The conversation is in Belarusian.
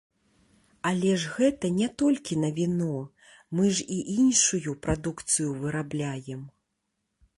Але ж гэта не толькі на віно, мы ж і іншую прадукцыю вырабляем.